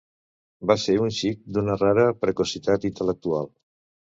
Va ser un xic d'una rara precocitat intel·lectual.